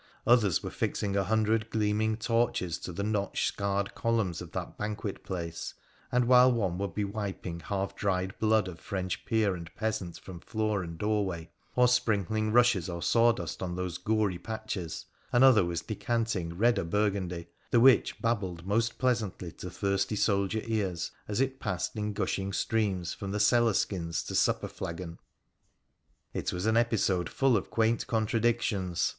Others were fixing a hundred gleaming torches to the notched, scarred columns of that banquet place, and while one would be wiping half dried blood of French peer and peasant from floor and doorway, or sprinkling rushes or sawdust on those gory patches, another was decanting redder burgundy — the which babbled most pleasantly to thirsty soldier ears as it passed in gushing streams from the cellar skins to supper flagon ! It was an episode full of quaint contradictions